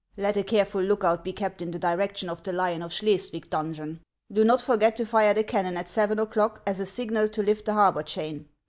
Let a careful lookout be kept in the direction of the Lion of Schleswig donjon. Do not forget to lire the cannon at seven o'clock, as a signal to lift the harbor chain.